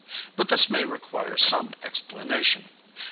But this may require some explanation.